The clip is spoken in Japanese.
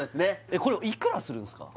えっこれいくらするんですか？